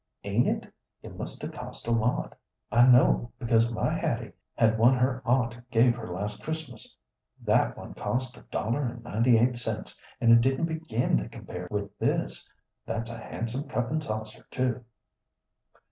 "Ain't it? It must have cost a lot. I know, because my Hattie had one her aunt gave her last Christmas; that one cost a dollar and ninety eight cents, and it didn't begin to compare with this. That's a handsome cup and saucer, too."